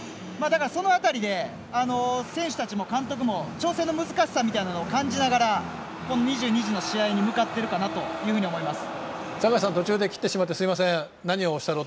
その辺りで選手たちも監督も調整の難しさみたいなものを感じながら２２時の試合に向かっていると思います。